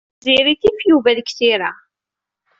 Tiziri tif Yuba deg tira.